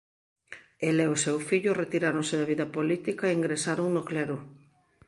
El e o seu fillo retiráronse da vida política e ingresaron no clero.